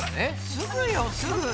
すぐよすぐ。